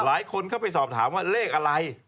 หลายคนเข้าไปสอบถามว่าเลขอะไร